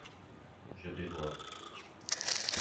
Je vais voir.